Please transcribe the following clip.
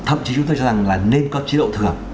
thậm chí chúng tôi cho rằng là nên có chế độ thừa